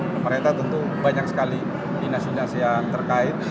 pemerintah tentu banyak sekali di nasi nasi yang terkait